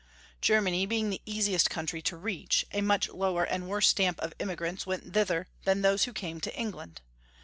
Germany being the easiest country to reach, a much lower and worse stamp of emigrants went thither than those who came to England.